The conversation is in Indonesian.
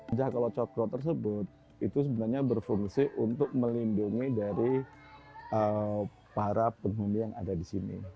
aja kalau cokrot tersebut itu sebenarnya berfungsi untuk melindungi dari para penghuni yang ada di sini